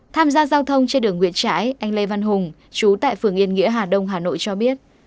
tham gia giao thông trên đường nguyễn trãi anh lê văn hùng chú tại phường yên nghĩa hà đông hà nội cho biết